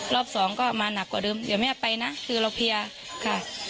รอบสองก็มาหนักกว่าเดิมเดี๋ยวแม่ไปนะคือเราเพลียค่ะ